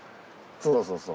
そうそうそうそう。